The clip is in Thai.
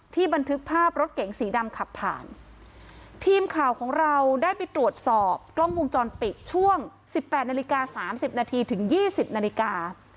บันทึกภาพรถเก๋งสีดำขับผ่านทีมข่าวของเราได้ไปตรวจสอบกล้องวงจรปิดช่วงสิบแปดนาฬิกาสามสิบนาทีถึงยี่สิบนาฬิกา